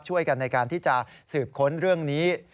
ช่วยกันในการที่จะสืบค้นเรื่องนี้